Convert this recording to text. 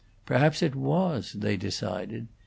Perhaps it was, they decided.